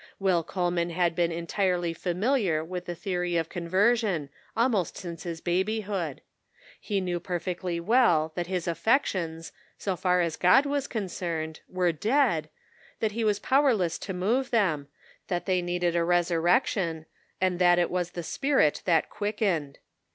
Will Coleman had been en tirely familiar with the theory of conversion 178 The Pocket Measure. almost since his babyhood. He knew per fectly well that his affections, so far as God was concerned, were dead, that he was powerless to move them, that they needed a resurrection, and that it was the Spirit that quickened.